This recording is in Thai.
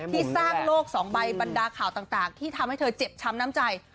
ที่สร้างโลก๒ใบบรรดาข่าวต่างที่ทำให้เธอเจ็บช้ำน้ำใจ